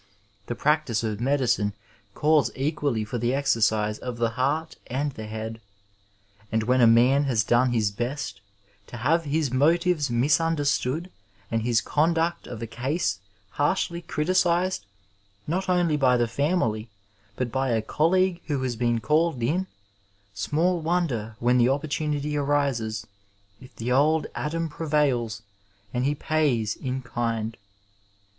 The practice of medicine calls equally for the exercise of the heart and the head ; and when a man has done his best, to have his motives misunderstood and hisconduct of a case harshly criticized not only by the family, but by a coUeague who has been called in, small wonder, when the opportunity arises, if the old Adam prevails and he pays in kind.